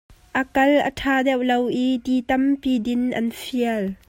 A kal a ṭha deuh lo i ti tampi din an fial.